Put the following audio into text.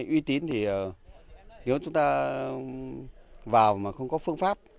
uy tín thì nếu chúng ta vào mà không có phương pháp